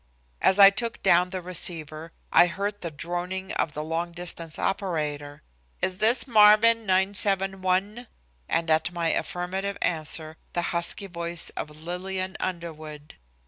As I took down the receiver I heard the droning of the long distance operator: "Is this Marvin, 971?" and at my affirmative answer the husky voice of Lillian Underwood.